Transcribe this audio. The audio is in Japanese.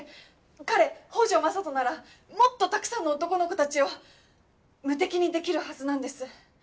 彼北條雅人ならもっとたくさんの男の子たちを無敵にできるはずなんです。